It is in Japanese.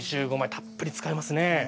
たっぷり使いますね。